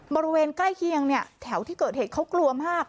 บริเวณใกล้เคียงเนี่ยแถวที่เกิดเหตุเขากลัวมาก